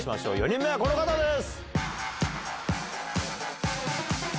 ４人目はこの方です。